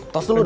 tos dulu dong